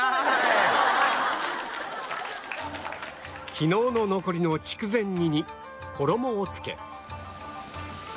昨日の残りの筑前煮に衣をつけ